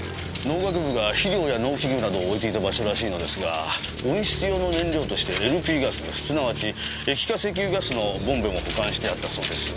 農学部が肥料や農機具などを置いていた場所らしいのですが温室用の燃料としてＬＰガスすなわち液化石油ガスのボンベも保管してあったそうです。